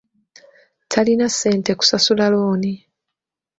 Talina ssente kusasula looni.